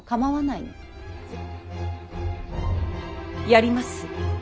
やります。